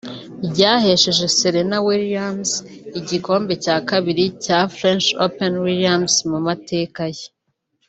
byahesheje Serena Williams igikombe cya kabiri cya French Open Williams mu mateka ye